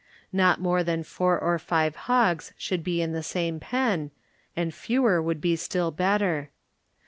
Not more than four or five hog┬½ should be in the same pen, and fewer would be still better.